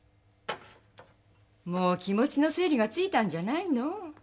もう気持ちの整理がついたんじゃないの？